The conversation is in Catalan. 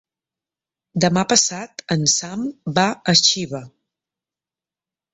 Demà passat en Sam va a Xiva.